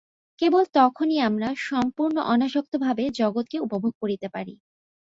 কেবল তখনই আমরা সম্পূর্ণ অনাসক্তভাবে জগৎকে উপভোগ করিতে পারি।